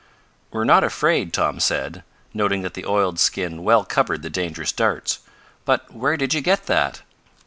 "We're not afraid," Tom said, noting that the oiled skin well covered the dangerous darts. "But where did you get that?"